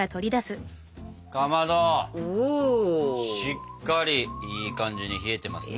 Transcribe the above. しっかりいい感じに冷えてますね。